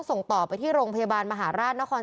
เพราะถูกทำร้ายเหมือนการบาดเจ็บเนื้อตัวมีแผลถลอก